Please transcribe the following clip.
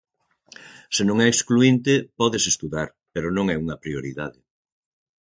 Se non é excluínte, pódese estudar, pero non é unha prioridade.